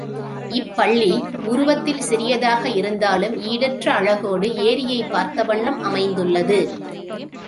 இப்பள்ளி உருவத்தில் சிறியதாக இருந்தாலும் ஈடற்ற அழகோடு ஏரியைப் பார்த்த வண்ணம் அமைந்துள்ளது.